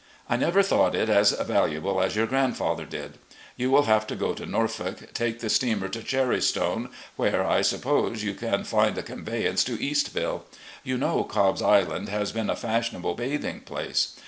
I never thought it as valuable as your grandfather did. You will have to go to Norfolk, take the steamer to Cherrystone, where, I suppose, you can find a conveyance to Eastville. You know Cobb's Island has been a fashionable bathing place.